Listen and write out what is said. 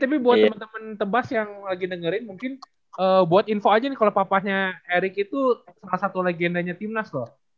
tapi buat temen temen tebas yang lagi dengerin mungkin buat info aja nih kalo papahnya eric itu salah satu legendanya timnas loh